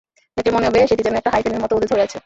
দেখলে মনে হবে সেটি যেন একটা হাইফেনের মতো ওদের ধরে আছে।